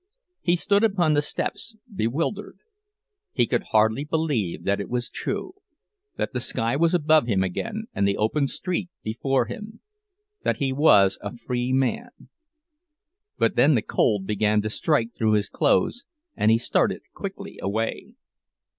He stood upon the steps, bewildered; he could hardly believe that it was true,—that the sky was above him again and the open street before him; that he was a free man. But then the cold began to strike through his clothes, and he started quickly away.